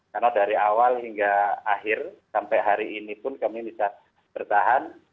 karena dari awal hingga akhir sampai hari ini pun kami bisa bertahan